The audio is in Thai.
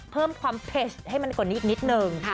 เพิ่มความเผ็ดให้มันกว่านี้อีกนิดนึง